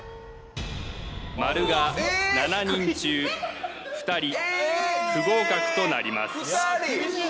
○が７人中２人不合格となります